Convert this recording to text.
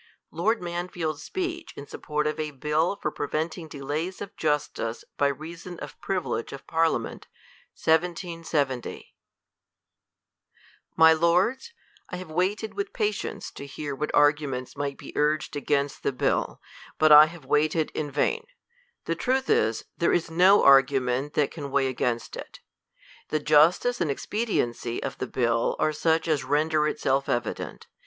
Lord Mansfield's Speech, in SuppoRt or a Bill FOR PREVENTING DeLAYS OF JuSTICE, BY ReASON OF Privilege op Parliament, 1770. ■■■■■'... II I I III H MM . 1 111 * III My Lords, I HAVE waited with patience to hear what argu ments might be urged against the bill ; but I have waited in vain ; the truth is, there is no argument that can weigh against it. The justice and expediency of the bill are such as render it self evident.